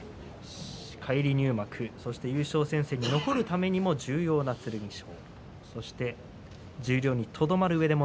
返り入幕、そして優勝戦線に残るためにも重要な剣翔。